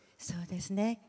そうですね。